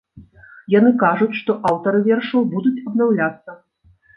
Яны кажуць, што аўтары вершаў будуць абнаўляцца.